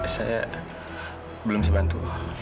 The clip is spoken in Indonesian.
saya belum sebantu